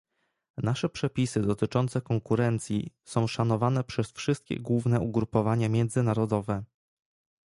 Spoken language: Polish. Nasze przepisy dotyczące konkurencji są szanowane przez wszystkie główne ugrupowania międzynarodowe